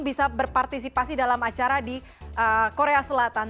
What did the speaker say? bisa berpartisipasi dalam acara di korea selatan